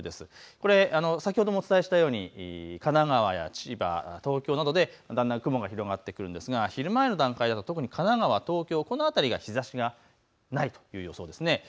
これは先ほどもお伝えしたように神奈川や千葉、東京などでだんだん雲が広がってくるんですが、昼前の段階だと特に神奈川、東京、この辺りが日ざしがないという予想ですね。